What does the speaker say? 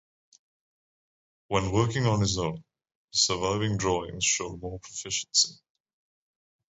When working on his own, his surviving drawings show more proficiency.